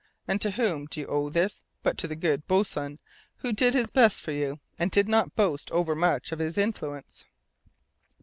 And to whom do you owe this, but to the good boatswain who did his best for you, and did not boast overmuch of his influence?"